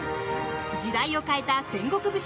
時代を変えた戦国武将